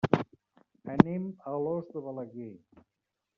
Anem a Alòs de Balaguer.